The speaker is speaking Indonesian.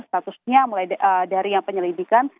statusnya mulai dari yang penyelidikan